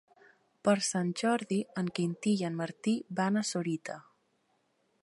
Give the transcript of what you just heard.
Per Sant Jordi en Quintí i en Martí van a Sorita.